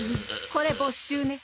これ没収ね。